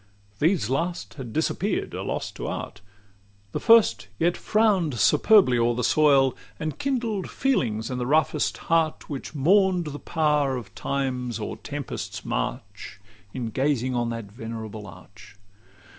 These last had disappear'd a loss to art: The first yet frown'd superbly o'er the soil, And kindled feelings in the roughest heart, Which mourn'd the power of time's or tempest's march, In gazing on that venerable arch.